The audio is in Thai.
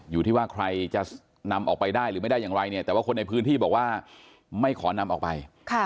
อยู่ที่ว่าใครจะนำออกไปได้หรือไม่ได้อย่างไรเนี่ยแต่ว่าคนในพื้นที่บอกว่าไม่ขอนำออกไป